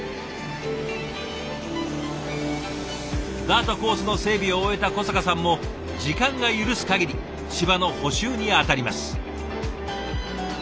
ダートコースの整備を終えた小坂さんも時間が許すかぎり芝の補修に当たります。